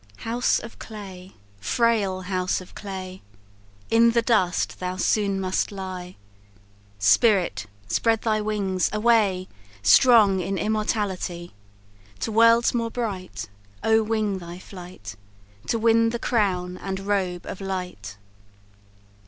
"House of clay! frail house of clay! In the dust thou soon must lie; Spirit! spread thy wings away, Strong in immortality; To worlds more bright Oh wing thy flight, To win the crown and robe of light.